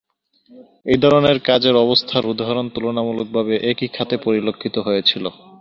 এই ধরনের কাজের অবস্থার উদাহরণ তুলনামূলকভাবে একই খাতে পরিলক্ষিত হয়েছিল।